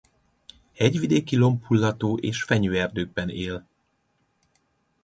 Hegyvidéki lombhullató és fenyőerdőkben él.